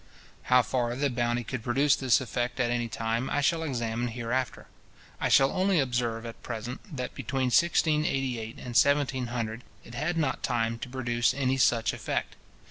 How far the bounty could produce this effect at any time I shall examine hereafter: I shall only observe at present, that between 1688 and 1700, it had not time to produce any such effect.